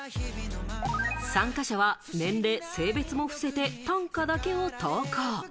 参加者は年齢・性別も伏せて短歌だけを投稿。